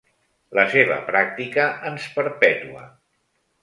La seva pràctica ens perpetua.